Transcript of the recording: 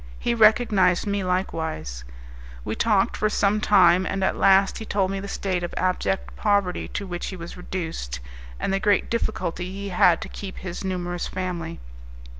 He recognized me likewise. We talked for some time, and at last he told me the state of abject poverty to which he was reduced, and the great difficulty he had to keep his numerous family.